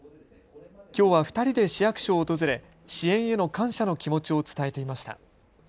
きょうは２人で市役所を訪れ支援への感謝の気持ちを伝えていました。